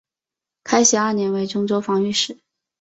开禧二年为忠州防御使。